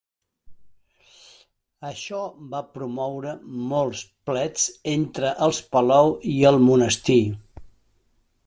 Això va promoure molts plets entre els Palou i el monestir.